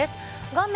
画面